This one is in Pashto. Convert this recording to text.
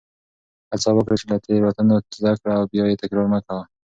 هڅه وکړه چې له تېروتنو زده کړه او بیا یې تکرار مه کوه.